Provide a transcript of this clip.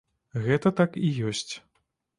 Гэта так і ёсць.